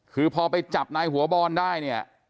คือพอไปจับนายหัวบอลได้เนี่ย